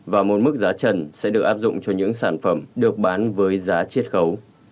và một mức giá trần sẽ được áp dụng cho những sản phẩm được bán với giá triết khấu